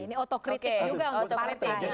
ini otokritik juga untuk partai